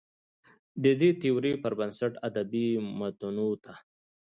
د دې تيورۍ پر بنسټ ادبي متونو ته